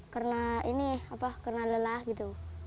karena ini karena lelah gitu